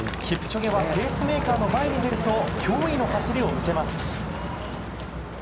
キプチョゲはペースメーカーの前に出ると驚異の走りを見せます。